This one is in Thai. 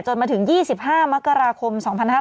มาถึง๒๕มกราคม๒๕๕๙